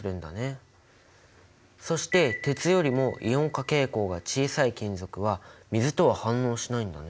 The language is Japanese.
そして鉄よりもイオン化傾向が小さい金属は水とは反応しないんだね。